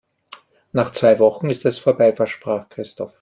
Nach zwei Wochen ist es vorbei, versprach Christoph.